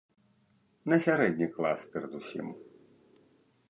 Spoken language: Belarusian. На сярэдні клас перадусім.